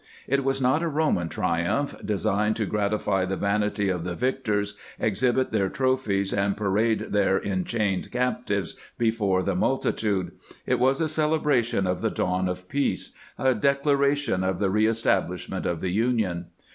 It was not a Roman triumph, designed to gratify the vanity of the victors, exhibit their trophies, and parade their en chajined captives before the multitude: it was a cele bration of the dawn of peace, a declaration of the reestablishment of the Union.